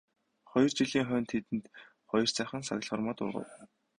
Хоёр жилийн хойно тэнд хоёр сайхан саглагар мод ургав.